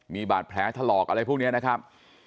มีบาดแผลถลอกอะไรพวกนี้นะครับ